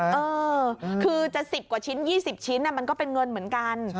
เออคือจะ๑๐กว่าชิ้น๒๐ชิ้นมันก็เป็นเงินเหมือนกัน